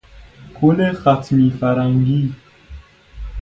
گل خطمی فرنگی